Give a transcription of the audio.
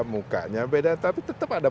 mukanya beda tapi tetap ada